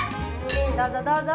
どうぞどうぞ。